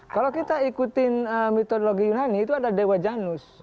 kalau kita ikutin mitologi yunani itu ada dewa janus